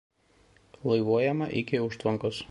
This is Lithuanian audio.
Laivuojama iki užtvankos.